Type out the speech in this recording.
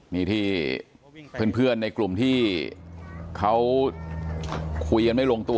นี่ที่เพื่อนในกลุ่มที่เขาคุยกันไม่ลงตัว